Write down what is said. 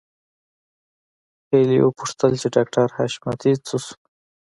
هيلې وپوښتل چې ډاکټر حشمتي څه شو